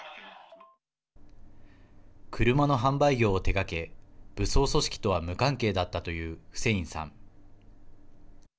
車の販売業を手がけ武装組織とは無関係だったというフセインさん。